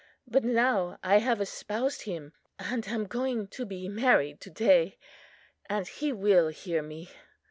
But now I have espoused Him, and am going to be married to day, and He will hear me."